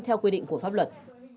theo quy định của pháp luật